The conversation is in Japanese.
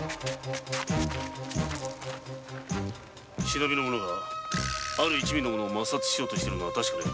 忍びの者がある一味を抹殺しようとしているのは確かだ。